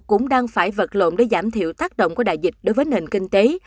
cũng đang phải vật lộn để giảm thiểu tác động của đại dịch đối với nền kinh tế